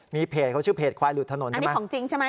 มีเพจเขาชื่อเพจควายหลุดถนนใช่ไหมของจริงใช่ไหม